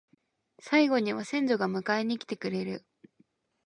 最期には先祖が迎えに来てくれる